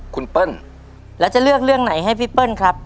คุณเปิ้ลแล้วจะเลือกเรื่องไหนให้พี่เปิ้ลครับ